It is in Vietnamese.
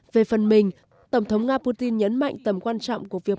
về phần mình tổng thống nga putin nhấn mạnh tầm quan trọng của việc